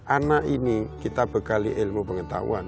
anak ini kita bekali ilmu pengetahuan